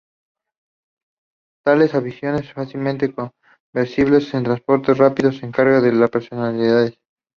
Tales aviones son fácilmente convertibles en transportes rápidos de carga o de personalidades.